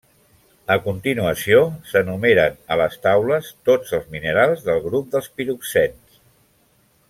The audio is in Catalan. A continuació s'enumeren a les taules tots els minerals del grup dels piroxens.